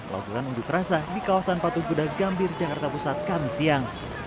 melakukan undut rasa di kawasan patung kuda gambir jakarta pusat kami siang